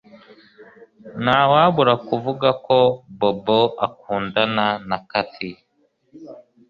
Ntawabura kuvuga ko Bobo akundana na Kathy